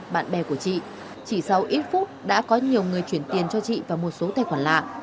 bạn bè của chị chỉ sau ít phút đã có nhiều người chuyển tiền cho chị và một số tài khoản lạ